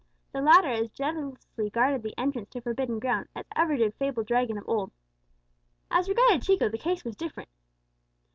The latter as jealously guarded the entrance to forbidden ground as ever did fabled dragon of old. As regarded Chico, the case was different.